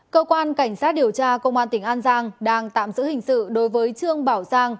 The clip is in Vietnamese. cơ quan cảnh sát điều tra công an tỉnh an giang đang tạm giữ hình sự đối với trương bảo giang